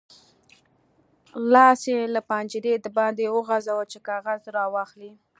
لاس یې له پنجرې د باندې وغځاوو چې کاغذ راواخلي.